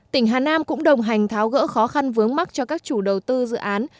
tỉnh hà nam cũng đồng hành tháo gỡ khó khăn vướng mắt cho các chủ đầu tư dự án